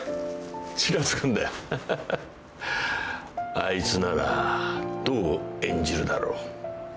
あいつならどう演じるだろう。